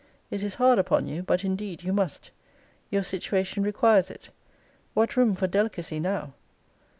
It is hard upon you; but indeed you must. Your situation requires it. What room for delicacy now?